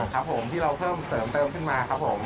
ครับผมที่เราเพิ่มเติมขึ้นมาครับผม